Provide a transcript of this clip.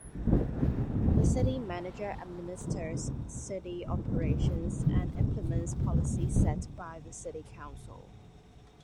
The City Manager administers city operations and implements policies set by the City Council.